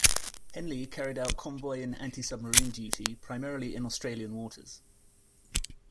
"Henley" carried out convoy and antisubmarine duty, primarily in Australian waters.